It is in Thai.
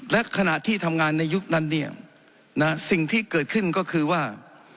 และขณะที่ทำงานในยุคนั้นเนี่ยสิ่งที่เกิดขึ้นก็คือว่า